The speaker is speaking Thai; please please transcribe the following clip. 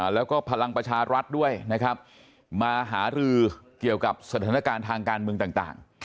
แล้วก็พลังประชารัฐด้วยนะครับมาหารือเกี่ยวกับสถานการณ์ทางการเมืองต่าง